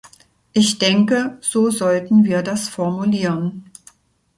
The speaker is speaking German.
Ich denke, so sollten wir das formulieren.